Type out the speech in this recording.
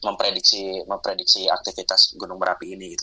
memprediksi aktivitas gunung merapi ini gitu